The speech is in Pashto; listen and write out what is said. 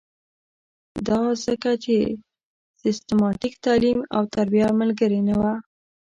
دا ځکه چې سیستماتیک تعلیم او تربیه ملګرې نه وه.